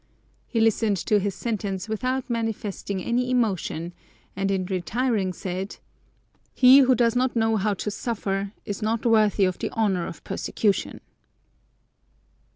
He listened to his sentence without manifesting any emotion, and in retiring said, "He who does not know how to suffer is not worthy of the honour of persecution!"